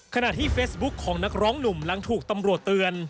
ขณะที่เฟซบุ๊คของนักร้องหนุ่มหลังถูกตำรวจเตือน